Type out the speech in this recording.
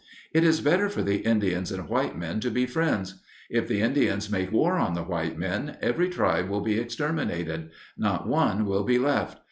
It is better for the Indians and white men to be friends. If the Indians make war on the white men, every tribe will be exterminated; not one will be left.